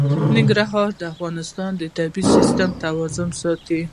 ننګرهار د افغانستان د طبعي سیسټم توازن ساتي.